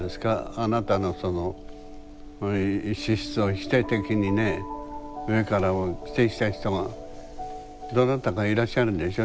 あなたのその資質を否定的にね上から否定した人がどなたかいらっしゃるんでしょ？